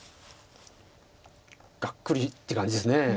がっくりって感じです。